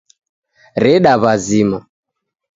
Reda wazima